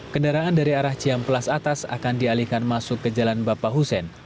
kendaraan dari arah ciamplas atas akan dialihkan masuk ke jalan bapak hussein